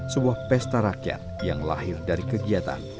sebuah pesta rakyat yang lahir dari kegiatan